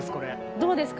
どうですか？